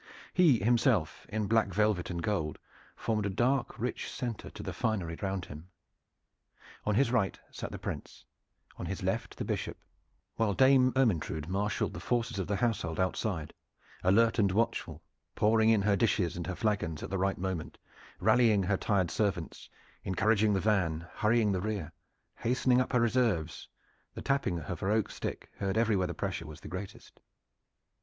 He himself, in black velvet and gold, formed a dark rich center to the finery around him. On his right sat the Prince, on his left the Bishop, while Dame Ermyntrude marshaled the forces of the household outside, alert and watchful, pouring in her dishes and her flagons at the right moment, rallying her tired servants, encouraging the van, hurrying the rear, hastening up her reserves, the tapping of her oak stick heard everywhere the pressure was the greatest.